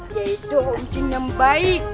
ya itu om jin yang baik